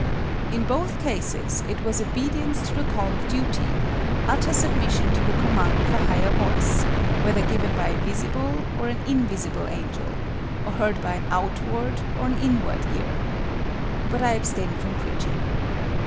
In both cases it was obedience to the call of duty, utter submission to the command of a higher voice, whether given by a visible or an invisible angel, or heard by an outward or an inward ear;—but I abstain from preaching.